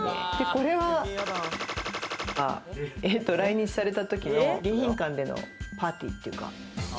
これは来日されたときの、迎賓館でのパーティーというか。